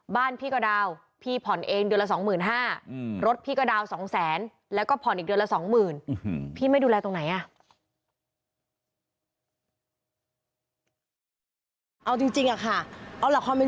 บ้านพี่ก็ดาวพี่ผ่อนเองเดือนละ๒๕๐๐๐บาท